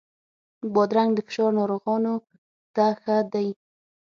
بادرنګ د فشار ناروغانو ته ښه دی.